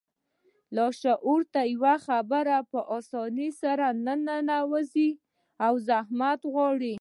لاشعور ته يوه خبره په آسانۍ سره نه ننوځي او زحمت غواړي.